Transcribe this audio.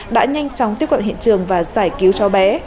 đã nhanh chóng tiếp cận hiện trường và giải cứu cháu bé